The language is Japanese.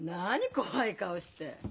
怖い顔して。